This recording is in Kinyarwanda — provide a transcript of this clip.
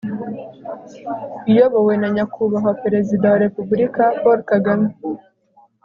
iyobowe na nyakubahwa perezida wa repubulika, paul kagame